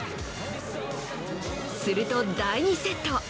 すると第２セット。